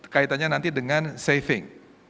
kaitannya nanti dengan saving